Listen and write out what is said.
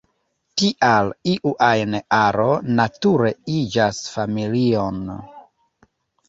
Tial iu ajn aro nature iĝas familion.